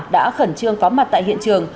đã khẩn trương có mặt tại hiện trường